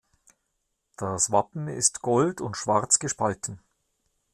Das Wappen ist Gold und Schwarz gespalten.